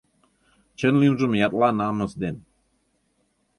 Чын лӱмжым ятла намыс ден.